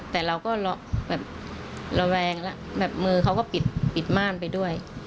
แต่เราก็แบบระแวงแล้วแบบมือเขาก็ปิดม่านไปด้วย